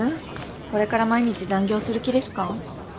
これから毎日残業する気ですか？